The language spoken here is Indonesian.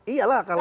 iya lah kalau